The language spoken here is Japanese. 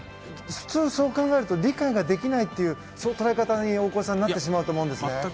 普通、そう考えると理解ができないという捉え方になってしまうと思うんですね。